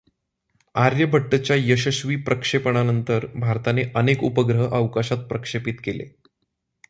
आर्यभट्टच्या यशस्वी प्रक्षेपणानंतर भारताने अनेक उपग्रह अवकाशात प्रक्षेपित केले.